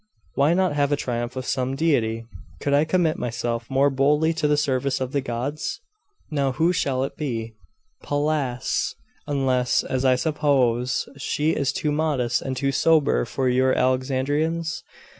Why not have a triumph of some deity? Could I commit myself more boldly to the service of the gods! Now who shall it be?' 'Pallas unless, as I suppose, she is too modest and too sober for your Alexandrians?